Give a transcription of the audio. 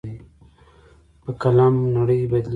په قلم نړۍ بدلېږي.